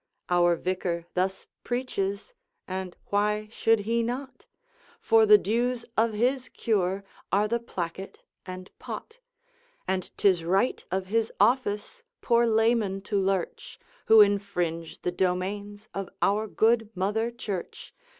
Our vicar thus preaches, and why should he not? For the dues of his cure are the placket and pot; And 'tis right of his office poor laymen to lurch Who infringe the domains of our good Mother Church.